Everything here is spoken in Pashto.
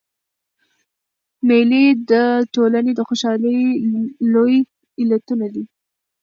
مېلې د ټولني د خوشحالۍ لوی علتونه دي.